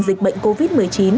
dịch bệnh covid một mươi chín